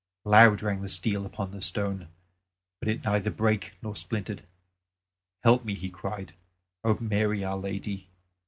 Loud rang the steel upon the stone; but it neither brake nor splintered. "Help me," he cried, "O Mary, our Lady!